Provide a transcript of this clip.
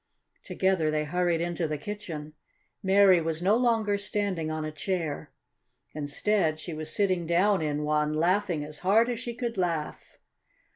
Together they hurried into the kitchen. Mary was no longer standing on a chair. Instead she was sitting down in one, laughing as hard as she could laugh.